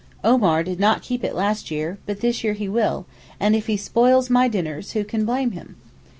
Omar did not keep it last year, but this year he will, and if he spoils my dinners, who can blame him?